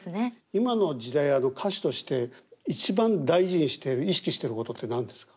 今の時代歌手として一番大事にしてる意識してることって何ですか？